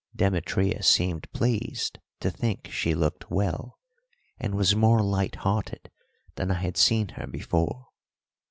Demetria seemed pleased to think she looked well, and was more light hearted than I had seen her before.